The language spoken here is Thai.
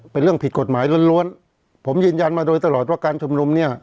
เป็นเรื่องผิดกฎหมายล้วนล้วนผมยืนยันมาโดยตลอดว่าการชุมนุมเนี่ย